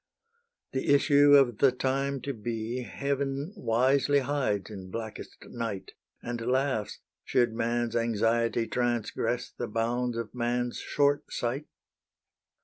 The issue of the time to be Heaven wisely hides in blackest night, And laughs, should man's anxiety Transgress the bounds of man's short sight.